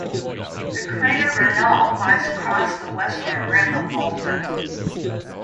The crater Regnault lies across the western rim of Volta.